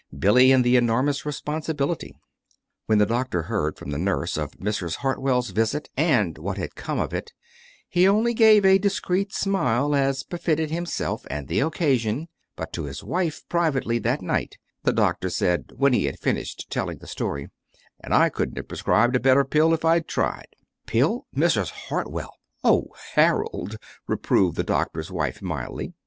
BILLY AND THE ENORMOUS RESPONSIBILITY When the doctor heard from the nurse of Mrs. Hartwell's visit and what had come of it, he only gave a discreet smile, as befitted himself and the occasion; but to his wife privately, that night, the doctor said, when he had finished telling the story: "And I couldn't have prescribed a better pill if I'd tried!" "Pill Mrs. Hartwell! Oh, Harold," reproved the doctor's wife, mildly.